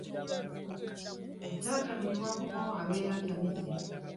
Taata buli lw'akomawo abeera atamidde.